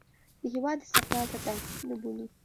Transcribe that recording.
د هېواد استقلال ته تهدید نه بولي.